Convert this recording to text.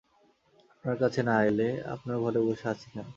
আপনার কাছে না- এলে, আপনার ঘরে বসে আছি কেন?